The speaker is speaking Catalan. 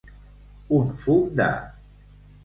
Un fum de.